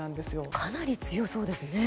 かなり強そうですね。